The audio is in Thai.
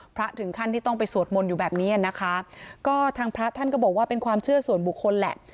ถึงขั้นที่ต้องไปสวดมนต์อยู่แบบนี้นะคะก็ทางพระท่านก็บอกว่าเป็นความเชื่อส่วนบุคคลแหละ